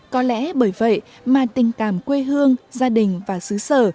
có lẽ bởi vậy mà tình cảm quê hương gia đình và xứ sở